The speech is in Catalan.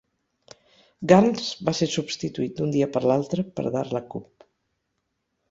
Garnes va ser substituït d'un dia per l'altre per Darla Coop.